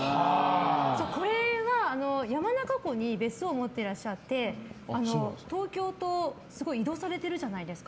これは山中湖に別荘を持っていらっしゃって東京と移動をされてるじゃないですか。